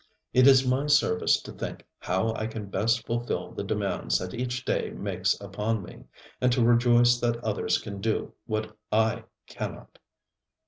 It is my service to think how I can best fulfil the demands that each day makes upon me, and to rejoice that others can do what I cannot.